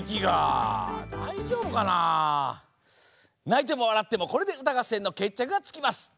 ないてもわらってもこれでうたがっせんのけっちゃくがつきます。